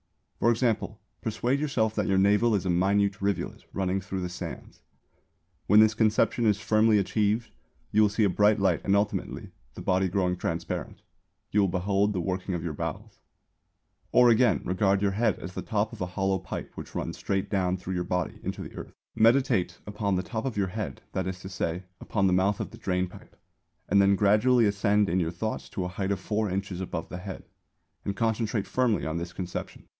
For example persuade yourself that your navel is a minute rivulet running through the sands. When this conception is firmly achieved, you will see a bright light and ultimately, the body growing transparent, you will behold the working of your bowels. Or again, regard your head as the top of a hollow pipe which runs straight down through your body into the earth. Meditate upon the top of your head, that is to say, upon the mouth of the drain pipe, and then gradually ascend in your thoughts to a height of four inches above the head, and concentrate firmly on this conception.